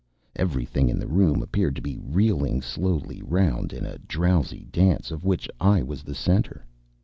Everything in the room appeared to be reeling slowly round in a drowsy dance, of which I was the centre.